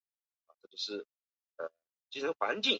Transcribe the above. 美属维尔京群岛是美国唯一道路交通靠左行驶的地区。